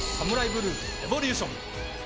ブルーエボリューション。